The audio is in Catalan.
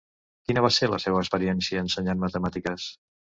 Quina va ser la seua experiència ensenyant matemàtiques?